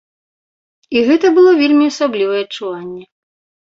І гэта было вельмі асаблівае адчуванне.